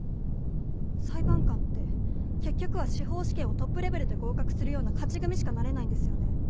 裁判官って結局は司法試験をトップレベルで合格するような勝ち組しかなれないんですよね？